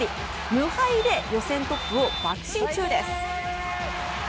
無敗で予選トップをばく進中です。